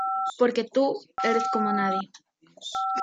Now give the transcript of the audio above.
Porque tú eres como nadie.